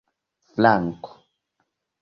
franko